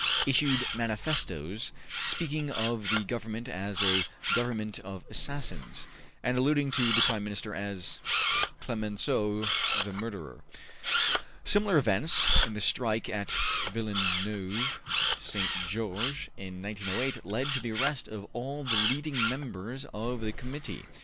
issued manifestoes speaking of the Government as ``a Government of assassins'' and alluding to the Prime Minister as ``Clemenceau the murderer.'' Similar events in the strike at Villeneuve St. Georges in 1908 led to the arrest of all the leading members of the Committee.